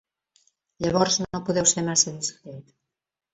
Llavors no podeu ser massa discret.